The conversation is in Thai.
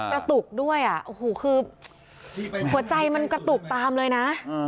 กระตุกด้วยอ่ะหัวใจมันกระตุกตามเลยนะ